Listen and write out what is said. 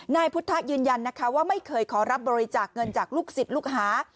นายพุทธยืนยันนะคะว่าไม่เคยขอรับบริจาคเงินจากลูกศิษย์ลูกหา